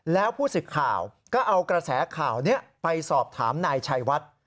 แล้วผู้สิทธิ์ข่าวก็เอากระแสข่าวนี้ไปสอบถามนายชัยวัด